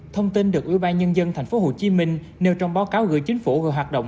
thông tin được ủy ban nhân dân tp hcm nêu trong báo cáo gửi chính phủ về hoạt động